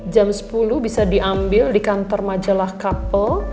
jam sepuluh bisa diambil di kantor majalah couple